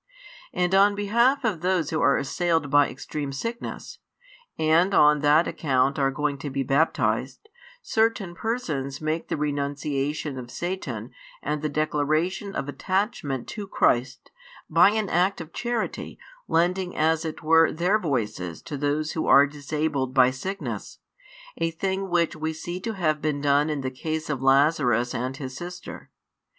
And on behalf of those who are assailed by extreme sickness, and on that account are going to be baptized, certain persons make the renunciation [of Satan] and the declaration of attachment [to Christ], by an act of charity lending as it were their voices to those who are disabled by sickness: a thing which we see to have been done in the case of Lazarus and his sister.